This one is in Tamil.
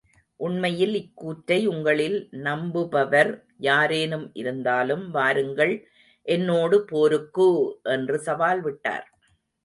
உண்மையில் இக்கூற்றை உங்களில் நம்புபவர் யாரேனும் இருந்தாலும் வாருங்கள் என்னோடு போருக்கு! என்று சவால் விட்டார்.